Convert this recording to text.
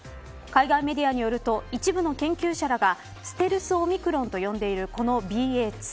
海外メディアによると一部の研究者らがステルスオミクロンと呼んでいるこのＢＡ．２。